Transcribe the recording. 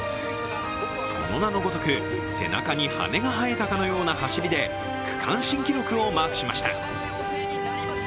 その名のごとく、背中に羽が生えたかのような走りで区間新記録をマークしました。